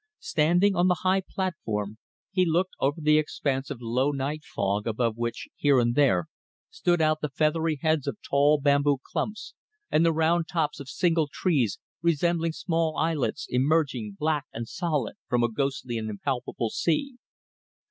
Standing on the high platform, he looked over the expanse of low night fog above which, here and there, stood out the feathery heads of tall bamboo clumps and the round tops of single trees, resembling small islets emerging black and solid from a ghostly and impalpable sea.